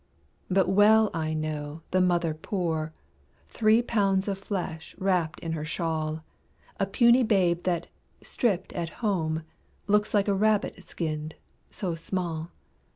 But well I know the mother poor, Three pounds of flesh wrapped in her shawl: A puny babe that, stripped at home, Looks like a rabbit skinned, so small.